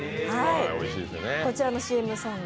こちらの ＣＭ ソング、